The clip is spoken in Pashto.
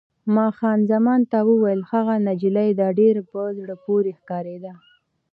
ما خان زمان ته وویل: ښه نجلۍ ده، ډېره په زړه پورې ښکارېده.